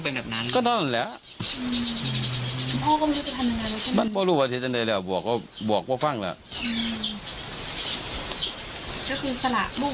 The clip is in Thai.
เห็นเครื่องสระลูกได้ทั้งคนบ้างรึเปล่า